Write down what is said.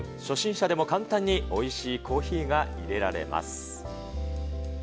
初心者でも簡単においしいコーヒーがいれられます。